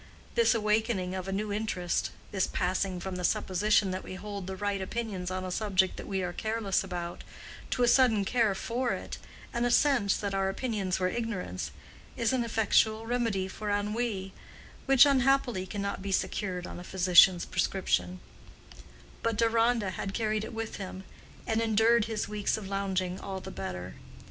This awakening of a new interest—this passing from the supposition that we hold the right opinions on a subject we are careless about, to a sudden care for it, and a sense that our opinions were ignorance—is an effectual remedy for ennui, which, unhappily, cannot be secured on a physician's prescription; but Deronda had carried it with him, and endured his weeks of lounging all the better.